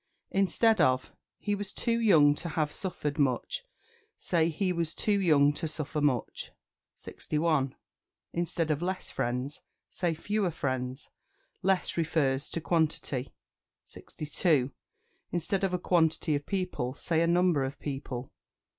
Instead of "He was too young to have suffered much," say "He was too young to suffer much." 61. Instead of "Less friends," say "Fewer friends." Less refers to quantity. 62. Instead of "A quantity of people," say "A number of people."